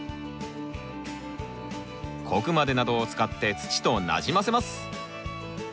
小クマデなどを使って土となじませます。